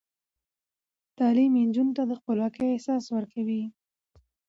تعلیم نجونو ته د خپلواکۍ احساس ورکوي.